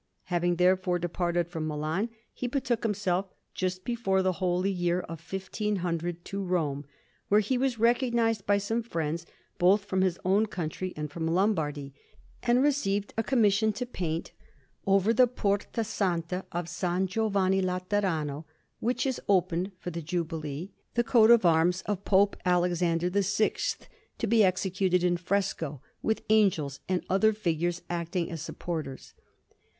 Having therefore departed from Milan, he betook himself, just before the holy year of 1500, to Rome, where he was recognized by some friends, both from his own country and from Lombardy, and received a commission to paint, over the Porta Santa of S. Giovanni Laterano, which is opened for the Jubilee, the coat of arms of Pope Alexander VI, to be executed in fresco, with angels and other figures acting as supporters.